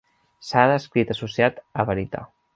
S'ha descrit associat a barita.